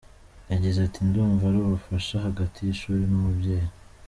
Yagize ati “Ndumva ari ubufasha hagati y’ishuri n’umubyeyi.